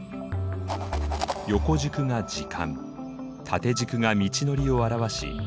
横軸が時間縦軸が道のりを表し